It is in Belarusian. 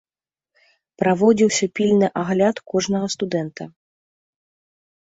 Праводзіўся пільны агляд кожнага студэнта.